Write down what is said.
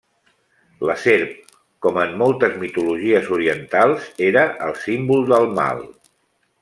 La serp, com en moltes mitologies orientals, era el símbol del mal.